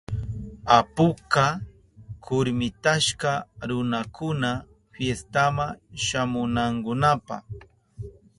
Apuka kurmitashka runakuna fiestama shamunankunapa.